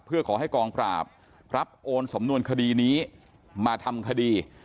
เพื่อขอให้กองปราบรับโอนสำนวนคดีนี้มาทำคดี